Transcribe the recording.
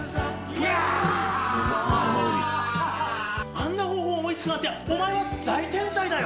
あんな方法を思いつくなんてお前は大天才だよ！